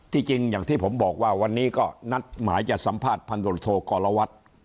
จริงอย่างที่ผมบอกว่าวันนี้ก็นัดหมายจะสัมภาษณ์พันธุโทกรวัตร